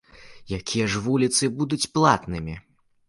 Якія ж вуліцы будуць платнымі?